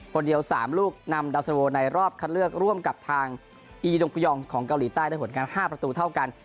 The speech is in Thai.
คนเดียว๓ลูกนำดาวสโวในรอบคัดเลือกร่วมกับทางอีดงกุยองของเกาหลีใต้ได้ผลงาน๕ประตูเท่ากัน